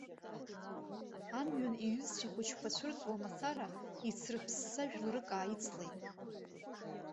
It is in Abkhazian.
Амҩан иҩызцәа хәыҷқәа цәырҵуа мацара, ицрыԥсса жәларык ааицлеит.